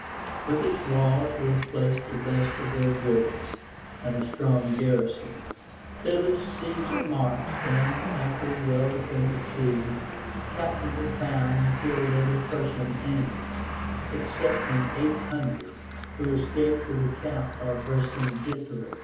Within its walls were placed the best of their goods and a strong garrison. Thither Caesar marched, and, after a well defended siege, captured the town and killed every person in it, excepting eight hundred, who escaped to the camp of Vercingetorix.